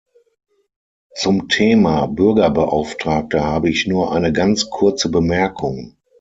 Zum Thema Bürgerbeauftragter habe ich nur eine ganz kurze Bemerkung.